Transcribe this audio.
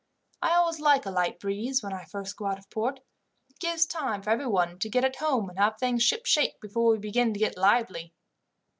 I always like a light breeze when I first go out of port, it gives time for everyone to get at home and have things shipshape before we begin to get lively."